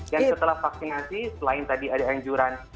dan setelah vaksinasi selain tadi ada anjuran